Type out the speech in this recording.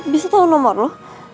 bisa tau nomor lu